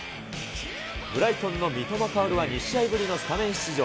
ブライトンの三笘薫は、２試合ぶりのスタメン出場。